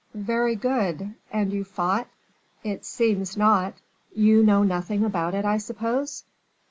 "Very good, and you fought?" "It seems not." "You know nothing about it, I suppose?"